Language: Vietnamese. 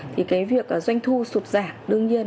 thì cái việc doanh thu sụp giảm đương nhiên